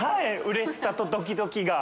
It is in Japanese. うれしさとドキドキが。